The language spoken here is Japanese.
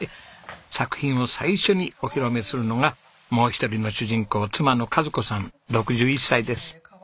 作品を最初にお披露目するのがもう一人の主人公妻の賀津子さん６１歳です。